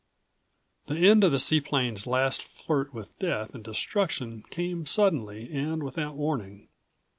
The end of the seaplane's last flirt with death and destruction came suddenly and without warning.